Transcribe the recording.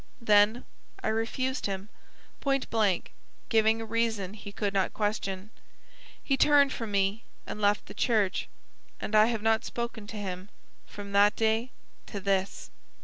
Then I refused him, point blank, giving a reason he could not question. He turned from me and left the church, and I have not spoken to him from that day to this."